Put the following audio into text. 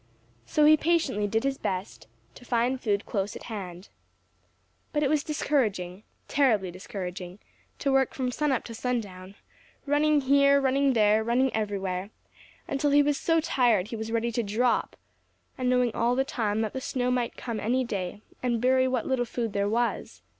So he patiently did his best to find food close at hand. But it was discouraging, terribly discouraging, to work from sun up to sun down, running here, running there, running everywhere, until he was so tired he was ready to drop, and knowing all the time that the snow might come any day and bury what little food there was.